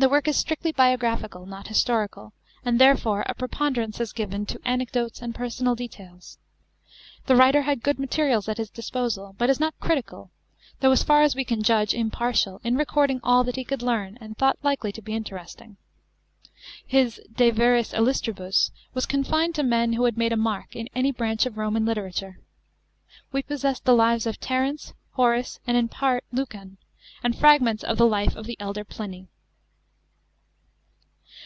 The work is strictly biographical, not historical, and thereiore a pre ponderance is given to anecdotes and personal details. The writer had good materials at his disposal, but is not critical, though, as far as we can judge, impartial in recording all that he could learn, and thought likely to be interesting. His De viris illustribus was confined to men who had made a mark in any branch of Roman literature. We possess the lives of Terence, Horace, and, in part, of Lucan, and fragments of the life of the elder Pliny.